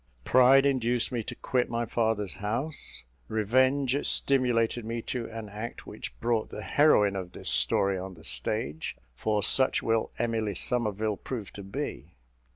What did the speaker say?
Pride induced me to quit my father's house; revenge stimulated me to an act which brought the heroine of this story on the stage, for such will Emily Somerville prove to be.